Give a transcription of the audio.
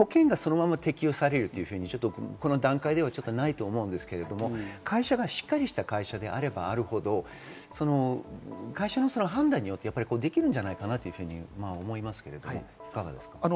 保険がそのまま適用されるというふうに、この段階ではないと思うんですけれど、会社がしっかりした会社であればあるほど、会社の判断でできるんじゃないかなと思いますけれども、いかがですか？